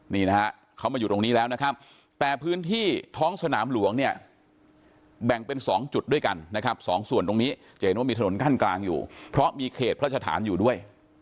นี่นะฮะเขามาอยู่ตรงนี้แล้วนะครับแต่พื้นที่ท้องสนามหลวงเนี่ยแบ่งเป็น๒จุดด้วยกันนะครับสองส่วนตรงนี้จะเห็นว่ามีถนนกั้นกลางอยู่เพราะมีเขตพระสถานอยู่ด้วย